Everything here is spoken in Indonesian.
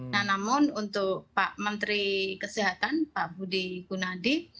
nah namun untuk pak menteri kesehatan pak budi gunadi